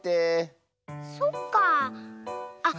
そっかあ。